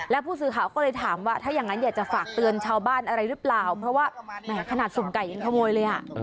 แล้วผู้สื่อข่าวก็เลยถามว่าถ้าอย่างนั้นอยากจะฝากเตือนชาวบ้านอะไรหรือเปล่าเพราะว่าแหมขนาดสุ่มไก่ยังขโมยเลยอ่ะ